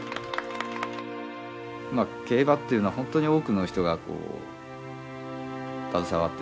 競馬っていうのは本当に多くの人が携わってて。